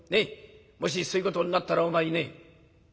もしそういうことになったらお前ね